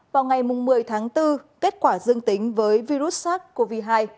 vào ngày một mươi tháng bốn kết quả dương tính với virus sars cov hai